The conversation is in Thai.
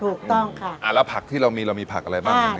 ถูกต้องค่ะอ่าแล้วผักที่เรามีเรามีผักอะไรบ้าง